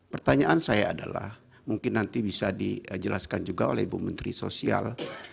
pertanyaan saya adalah mungkin nanti bisa dijelaskan juga oleh ibu menteri sosial